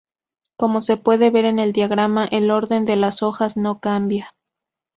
Como se puede ver en el diagrama, el orden de las hojas no cambia.